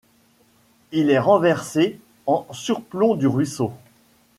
Il est renversé, en surplomb du ruisseau.